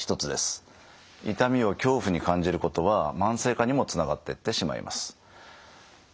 痛みを恐怖に感じることは慢性化にもつながってってしまいます。